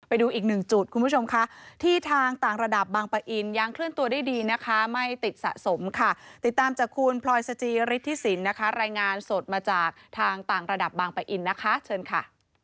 ไปดูอีกหนึ่งจุดคุณผู้ชมค่ะที่ทางต่างระดับบางปะอินยังเคลื่อนตัวได้ดีนะคะไม่ติดสะสมค่ะติดตามจากคุณพลอยสจิฤทธิสินนะคะรายงานสดมาจากทางต่างระดับบางปะอินนะคะเชิญค่ะ